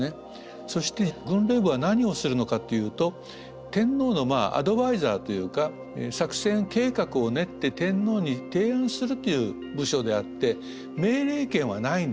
そして軍令部は何をするのかというと天皇のアドバイザーというか作戦計画を練って天皇に提案するという部署であって命令権はないんです。